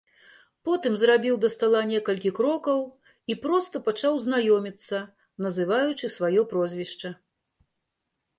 Потым зрабіў да стала некалькі крокаў і проста пачаў знаёміцца, называючы сваё прозвішча.